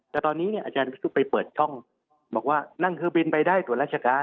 แต่ตอนนี้เนี่ยอาจารย์ก็ไปเปิดช่องบอกว่านั่งเครื่องบินไปได้ส่วนราชการ